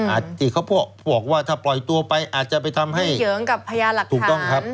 อาจที่เขาบอกว่าถ้าปล่อยตัวไปอาจจะไปทำให้เยืองกับพยานหลักฐาน